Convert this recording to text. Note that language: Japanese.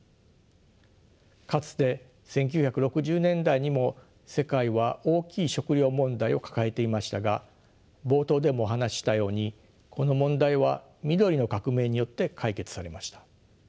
かつて１９６０年代にも世界は大きい食糧問題を抱えていましたが冒頭でもお話ししたようにこの問題は緑の革命によって解決されました。